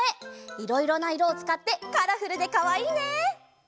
いろいろないろをつかってカラフルでかわいいね！